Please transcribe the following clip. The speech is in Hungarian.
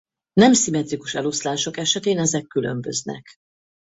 Nem szimmetrikus eloszlások esetén ezek különböznek.